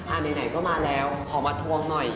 ไหนก็มาแล้วขอมาทวงหน่อย